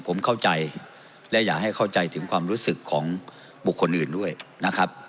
ผมเข้าใจและอยากให้เข้าใจถึงความรู้สึกของบุคคลอื่นด้วยนะครับ